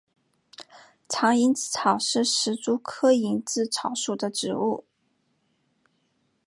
藏蝇子草是石竹科蝇子草属的植物。